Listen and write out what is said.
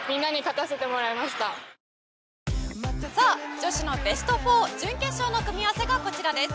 女子のベスト４準決勝の組み合わせがこちら。